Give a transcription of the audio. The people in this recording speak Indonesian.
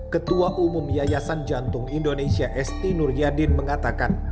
ketua umum yayasan jantung indonesia esti nur yadin mengatakan